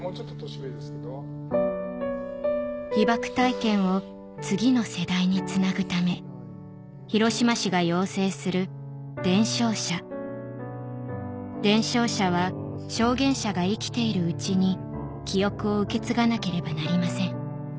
被爆体験を次の世代につなぐため広島市が養成する伝承者は証言者が生きているうちに記憶を受け継がなければなりません